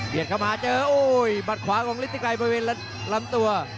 เบียดเข้ามาเจอโอ้บัตรขวาของฤทธิไกรบริเวณลำตัว